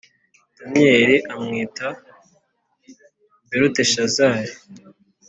: Daniyeli amwita Beluteshazari